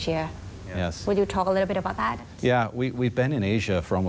แล้วเราก็เกี่ยวกับสำหรับผลิตครอบครับ